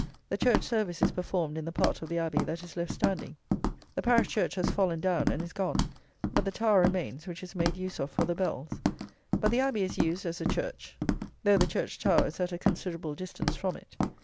The church service is performed in the part of the Abbey that is left standing. The parish church has fallen down and is gone; but the tower remains, which is made use of for the bells; but the Abbey is used as the church, though the church tower is at a considerable distance from it.